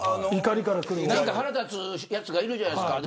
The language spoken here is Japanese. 腹立つやつがいるじゃないですか。